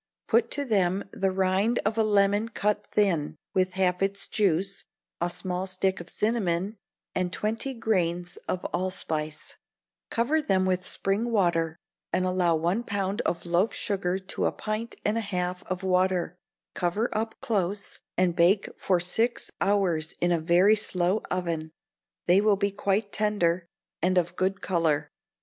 Put to them the rind of a lemon cut thin, with half its juice, a small stick of cinnamon, and twenty grains of allspice; cover them with spring water, and allow one pound of loaf sugar to a pint and a half of water: cover up close, and bake for six hours in a very slow oven; they will be quite tender, and of a good colour.